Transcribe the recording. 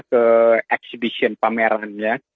ke exhibition pameran ya